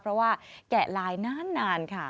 เพราะว่าแกะลายนานค่ะ